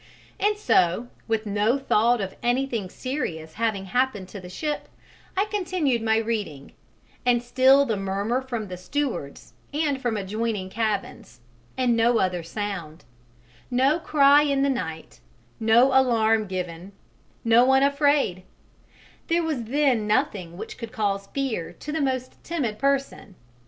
And so, with no thought of anything serious having happened to the ship, I continued my reading; and still the murmur from the stewards and from adjoining cabins, and no other sound: no cry in the night; no alarm given; no one afraid there was then nothing which could cause fear to the most timid person.